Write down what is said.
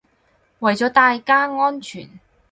為咗大家安全